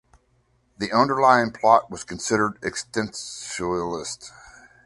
The underlying plot was considered existentialist.